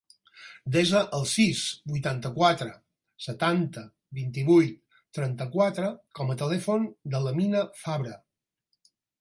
Desa el sis, vuitanta-quatre, setanta, vint-i-vuit, trenta-quatre com a telèfon de l'Amina Fabre.